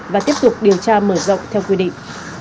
và tiếp tục điều tra mở rộng theo quy định